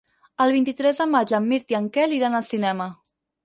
El vint-i-tres de maig en Mirt i en Quel iran al cinema.